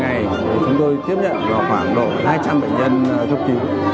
bệnh viện vlch cũng đi một đây được chấp nhận do khoảng hai trăm linh bệnh nhân thấp cứu